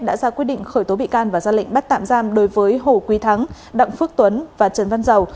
đã ra quyết định khởi tố bị can và ra lệnh bắt tạm giam đối với hồ quý thắng đặng phước tuấn và trần văn dầu